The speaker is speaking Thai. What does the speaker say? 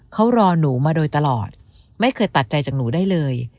เขารอหนูมาโดยตลอดไม่เคยตัดใจจากหนูได้เลย